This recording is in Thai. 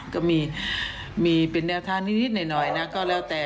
ก็มีเป็นแนวทางนิดหน่อยนะก็แล้วแต่